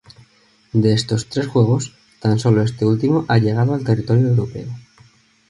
De estos tres juegos, tan solo este último ha llegado al territorio europeo.